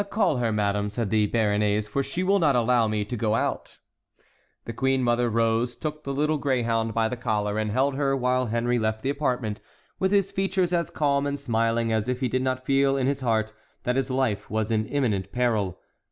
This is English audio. "Call her, madame," said the Béarnais, "for she will not allow me to go out." The queen mother rose, took the little greyhound by the collar, and held her while Henry left the apartment, with his features as calm and smiling as if he did not feel in his heart that his life was in imminent peril.